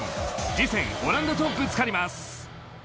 次戦、オランダとぶつかります。